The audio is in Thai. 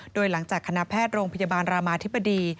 โดยหลังจากคณะแพทย์โรงพยาบาลรามาธิบดี